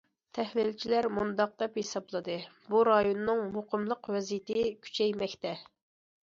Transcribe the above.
تەھلىلچىلەر مۇنداق دەپ ھېسابلىدى: بۇ رايوننىڭ مۇقىملىق ۋەزىيىتى كۈچەيمەكتە.